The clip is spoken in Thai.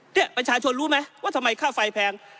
เนี่ยประชาชนรู้ไหมว่าทำไมค่าไฟแพง